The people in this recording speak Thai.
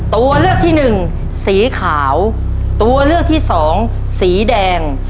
ตัวเลือกที่หนึ่งสีขาวตัวเลือกที่สองสีแดง